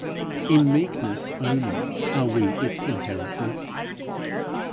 In meekness only are we its inheritors.